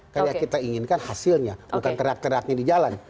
karena kita inginkan hasilnya bukan terak teraknya di jalan